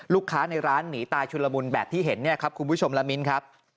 ลูกค้าในร้านหนีตายชุนละมุนแบบที่เห็นเนี่ยครับคุณผู้ชมละมิ้นครับ